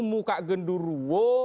muka gendur wo